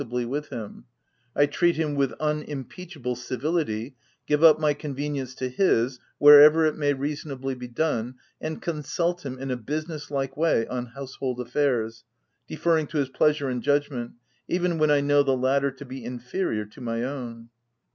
331 ably with him : I treat him with unimpeachable civility, give up my convenience to his, where ever it may reasonably be done, and consult him in a business like way on household affairs, deferring to his pleasure and judgment, even when I know the latter to be inferior to my own.